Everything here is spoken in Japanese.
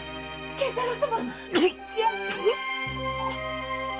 源太郎様！